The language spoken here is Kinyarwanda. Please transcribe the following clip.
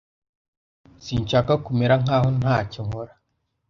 Sinshaka kumera nkaho ntacyo nkora.